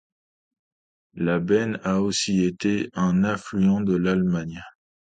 La Beine a aussi été un affluent de l'Allemagne.